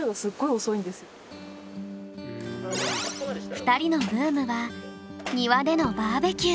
２人のブームは庭でのバーベキュー。